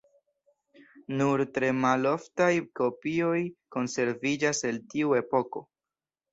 Nur tre maloftaj kopioj konserviĝas el tiu epoko.